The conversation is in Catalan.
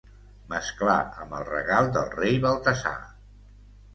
Mesclar amb el regal del rei Baltasar.